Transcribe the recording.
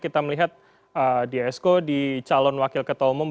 kita melihat di esko di calon wakil ketua umum